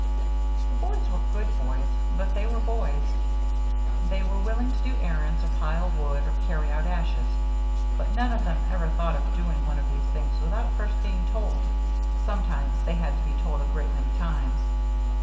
The boys were good boys, but they were boys. They were willing to do errands or pile wood or carry out ashes, but none of them ever thought of doing one of these things without first being told sometimes they had to be told a great many times.